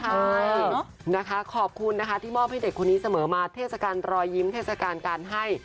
ใช่นะคะขอบคุณนะคะที่มอบให้เด็กคนนี้เสมอมาเทศกาลรอยยิ้มเทศกาลการให้